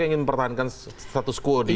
saya ingin mempertahankan status quo di